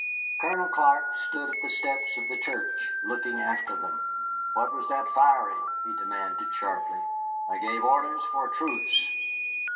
Colonel Clark stood at the steps of the church, looking after them. "What was that firing?" he demanded sharply. "I gave orders for a truce."